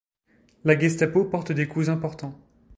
La Gestapo porte des coups importants.